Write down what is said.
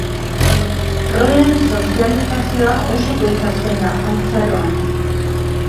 Rolen sozializazioa oso goiz hasten da, haurtzaroan.